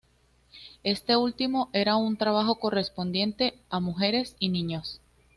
Este último era un trabajo correspondiente a mujeres y niños.